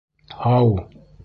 Һау!